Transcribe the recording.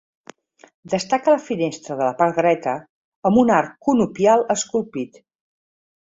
Destaca la finestra de la part dreta, amb un arc conopial esculpit.